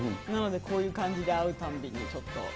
なので、こういう感じで会うたんびにちょっと。